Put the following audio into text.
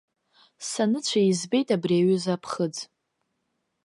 Саныцәа избеит абри аҩыза аԥхыӡ.